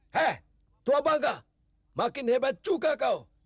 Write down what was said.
hei tua bangga makin hebat juga kau